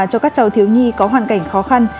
cho các cháu thiếu nhi có hoàn cảnh khó khăn